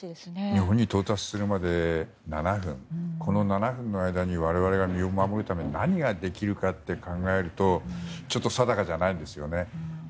日本に到達するまで７分の間に我々が身を守るために何ができるかって考えると定かじゃないんですよね。